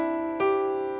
sampai jumpa lagi